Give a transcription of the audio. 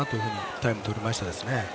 タイムをとりましたね。